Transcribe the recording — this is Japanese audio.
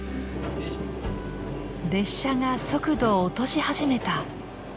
列車が速度を落とし始めた。